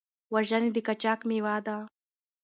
وژنې د قاچاق مېوه ده.